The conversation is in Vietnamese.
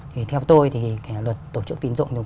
thì theo tôi thì luật tổ chức tín dụng